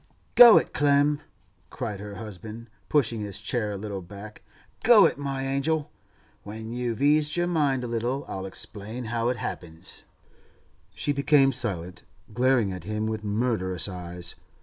'Go it, Clem!' cried her husband, pushing his chair a little back. 'Go it, my angel! When you've eased your mind a little, I'll explain how it happens.' She became silent, glaring at him with murderous eyes.